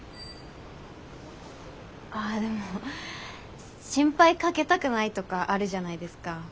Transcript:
あでも心配かけたくないとかあるじゃないですか。